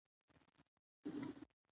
د چین لوی دیوال هم له هوا ښکاري.